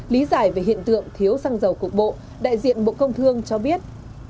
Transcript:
lý giải về hiện tượng thiếu xăng dầu cục bộ đại diện bộ công thương cho biết